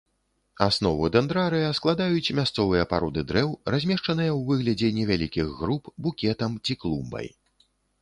Аснову дэндрарыя складаюць мясцовыя пароды дрэў, размешчаныя ў выглядзе невялікіх груп, букетам ці клумбай.